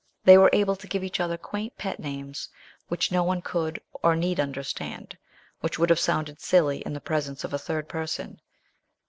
They were able to give each other quaint pet names, which no one could or need understand which would have sounded silly in the presence of a third person.